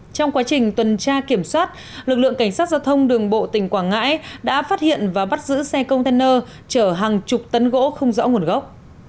trong quá trình tuần tra kiểm soát lực lượng cảnh sát giao thông đường bộ tỉnh quảng ngãi đã phát hiện và bắt giữ xe container chở hàng chục tấn gỗ không rõ nguồn gốc